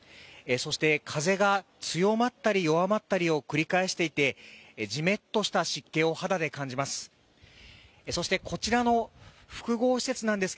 そして風が強まったり弱まったりを繰り返していてジメッとした湿気を肌で感じます。